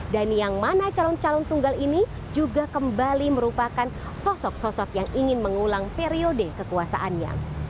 dan yang mana calon calon tunggal ini juga kembali merupakan sosok sosok yang ingin mengulang periode kekuasaannya